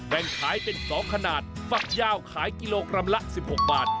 แบ่งขายเป็น๒ขนาดฝักยาวขายกิโลกรัมละ๑๖บาท